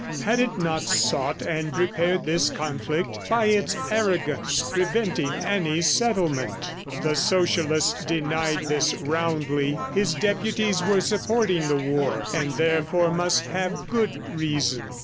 Had it not sought and prepared this conflict, by its arrogance preventing any settlement?" The Socialist denied this roundly. His deputies were supporting the war and, therefore, must have good reason.